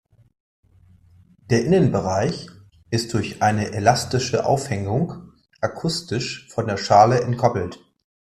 Der Innenbereich ist durch eine elastische Aufhängung akustisch von der Schale entkoppelt.